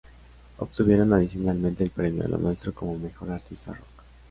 Obtuvieron adicionalmente el Premio Lo Nuestro como Mejor Artista Rock.